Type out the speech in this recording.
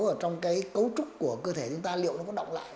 vào trong cấu trúc của cơ thể chúng ta liệu nó có động lại